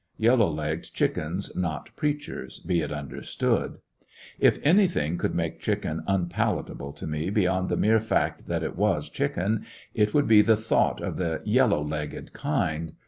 Yellow legged chickens, not preachers, be it understood. If anything could make chicken unpalatable to me beyond the mere fact that it was chicken, it would be the thought of the "yellow legged kind."